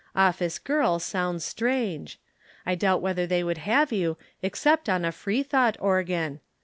Office girl sounds strange. I doubt whether they would have you except on a Freethought organ.